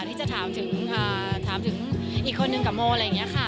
ที่จะถามถึงอีกคนนึงกับโมอะไรอย่างนี้ค่ะ